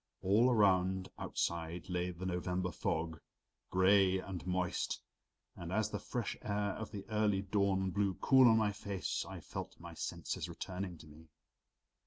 All around outside lay the November fog, gray and moist, and as the fresh air of the early dawn blew cool on my face I felt my senses returning to me.